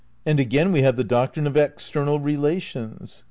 And again we have the doctrine of external relations.